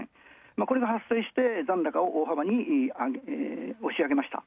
これが発生して大幅に押し上げました。